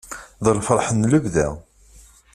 D lferḥ n lebda.